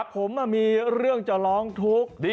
ผมมีเรื่องจะร้องทุกข์